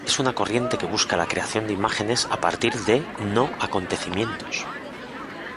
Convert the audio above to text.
Es una corriente que busca la creación de imágenes a partir de no-acontecimientos.